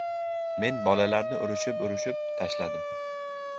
Men bolalarni urishib-urishib tashladim.